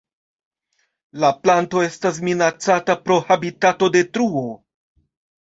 La planto estas minacata pro habitatodetruo.